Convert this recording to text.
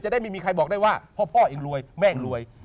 ไม่ได้มีใครเขาบอกว่าพ่อเองรวยแม่งรวย